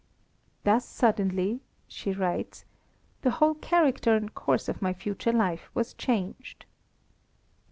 "Thus suddenly," she writes, "the whole character and course of my future life was changed."